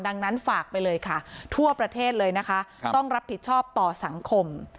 ดังนั้นฝากไปเลยค่ะทั่วประเทศเลยนะคะต้องรับผิดชอบต่อสังคม